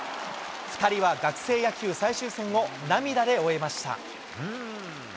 ２人は学生野球最終戦を涙で終えました。